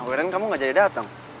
awiran kamu gak jadi dateng